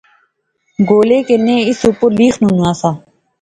گولے کنے اُس اُپر لیخنونا سا